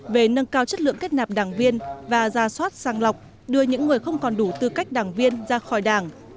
về nâng cao chất lượng kết nạp đảng viên và ra soát sang lọc đưa những người không còn đủ tư cách đảng viên ra khỏi đảng